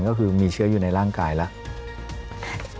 ก็คือมีเชื้ออยู่ในร่างกายแล้ว